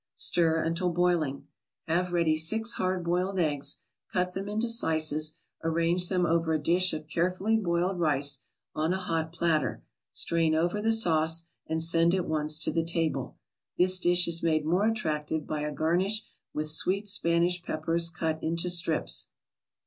Stir until boiling. Have ready six hard boiled eggs, cut them into slices, arrange them over a dish of carefully boiled rice, on a hot platter, strain over the sauce, and send at once to the table. This dish is made more attractive by a garnish with sweet Spanish peppers, cut into strips.